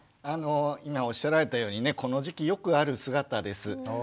今おっしゃられたようにねこの時期よくある姿です。